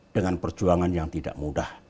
dengan perjuangan yang tidak mudah